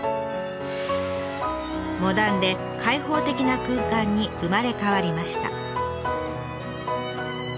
モダンで開放的な空間に生まれ変わりました。